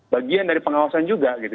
bagian dari pengawasan juga gitu